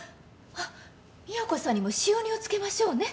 あっ美保子さんにも使用人をつけましょうね。